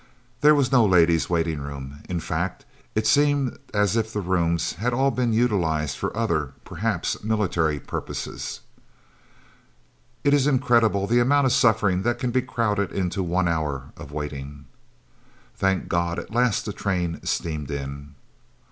There was no ladies' waiting room in fact, it seemed as if the rooms had all been utilised for other, perhaps military, purposes. It is incredible the amount of suffering that can be crowded into one hour of waiting! Thank God, at last the train steamed in.